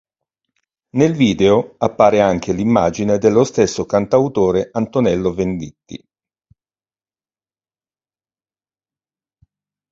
Nel video appare anche l'immagine dello stesso cantautore Antonello Venditti.